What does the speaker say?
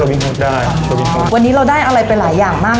โลวินผู้ได้โอ้วันนี้เราได้อร่อยเป็นหลายอย่างมาก